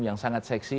yang sangat seksi